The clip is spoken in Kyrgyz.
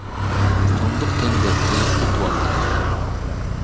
сомдук тендерди утуп алган.